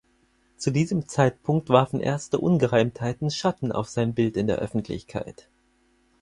Zu diesem Zeitpunkt warfen erste Ungereimtheiten Schatten auf sein Bild in der Öffentlichkeit.